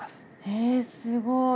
へえすごい。